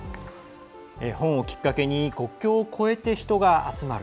本をきっかけに国境を越えて人が集まる。